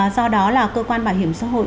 do đó là cơ quan bảo hiểm xã hội